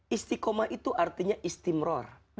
istiqomah itu artinya istimror